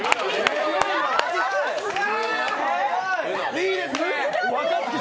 いいですね。